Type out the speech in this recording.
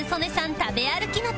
食べ歩きの旅